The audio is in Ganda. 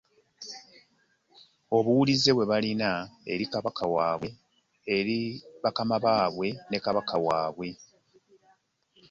Obuwulize bwe balina eri bakama baabwe ne Kabaka waabwe.